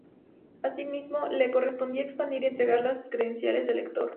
Asimismo, le correspondía expedir y entregar las credenciales de elector.